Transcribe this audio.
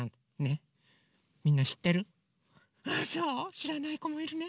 しらないこもいるね！